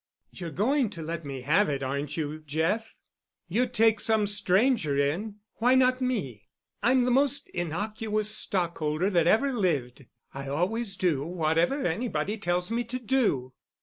You're going to let me have it, aren't you, Jeff? You'd take some stranger in. Why not me? I'm the most innocuous stockholder that ever lived. I always do whatever anybody tells me to do."